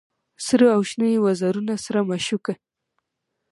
سره او شنه یې وزرونه سره مشوکه